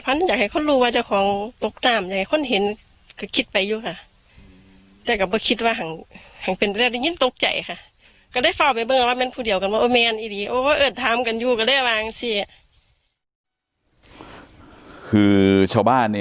เพราะฉะนั้นอยากให้คนรู้ว่าจะของตกนามอย่างไรคนเห็นก็คิดไปอยู่ค่ะ